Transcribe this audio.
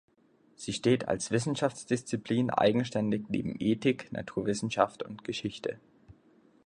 Sie steht als Wissenschaftsdisziplin eigenständig neben Ethik, Naturwissenschaft und Geschichte.